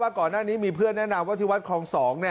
ก่อนหน้านี้มีเพื่อนแนะนำว่าที่วัดคลอง๒